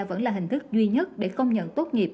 vẫn là hình thức duy nhất để công nhận tốt nghiệp